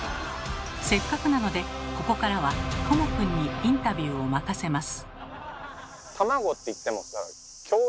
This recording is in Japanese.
せっかくなのでここからはとも君にインタビューを任せます。